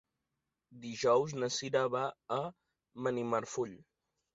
Dijous na Cira va a Benimarfull.